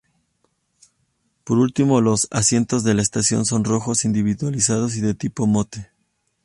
Por último, los asientos de la estación son rojos, individualizados y de tipo Motte.